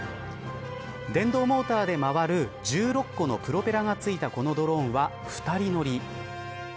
電動モーターで回る１６個のプロペラが付いたこのドローンは、２人乗り。